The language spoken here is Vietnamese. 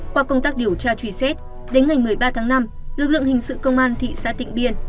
qua công tác điều tra truy xét đến ngày một mươi ba tháng năm lực lượng hình sự công an thị xã tịnh biên